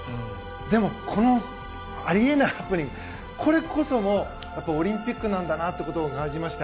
でも、あり得ないハプニングこれこそオリンピックなんだなということを感じました。